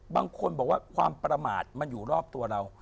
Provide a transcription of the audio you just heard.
บางคนบอกว่าความประมาทมันอยู่รอบตัวเรา